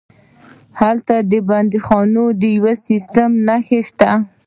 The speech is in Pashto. هلته د بندیخانې د یو ډول سیسټم نښې شته.